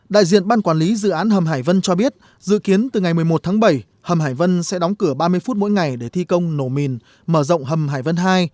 đại diện ban quản lý dự án hầm hải vân cho biết dự kiến từ ngày một mươi một tháng bảy hầm hải vân sẽ đóng cửa ba mươi phút mỗi ngày để thi công nổ mìn mở rộng hầm hải vân hai